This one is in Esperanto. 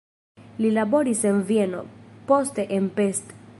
Li laboris en Vieno, poste en Pest.